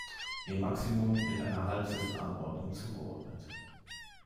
Ihr Maximum wird einer „Halbsessel“-Anordnung zugeordnet.